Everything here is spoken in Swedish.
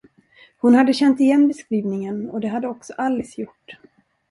Hon hade känt igen beskrivningen, och det hade också Alice gjort.